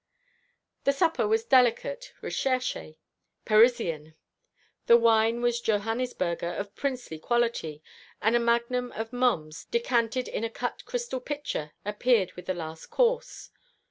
The supper was delicate, recherché, Parisian; the wine was Johannisberger of princely quality, and a magnum of Mumms decanted in a cut crystal pitcher appeared with the last course.